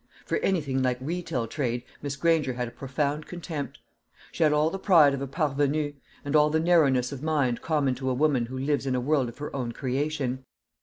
For anything like retail trade Miss Granger had a profound contempt. She had all the pride of a parvenu, and all the narrowness of mind common to a woman who lives in a world of her own creation.